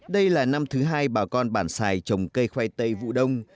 đây là năm thứ hai bà con bản xài trồng cây khoai tây vụ đông